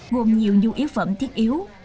gồm nhiều du yếu phẩm thiết yếu